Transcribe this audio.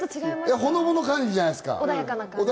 ほのぼの感じゃないですか？